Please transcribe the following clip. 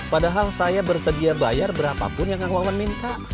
padahal saya bersedia bayar berapapun yang kang maman minta